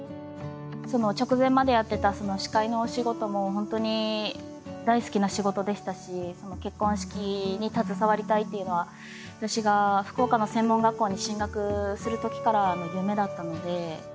直前までやっていた司会のお仕事も本当に大好きな仕事でしたし結婚式に携わりたいっていうのは私が福岡の専門学校に進学するときからの夢だったので。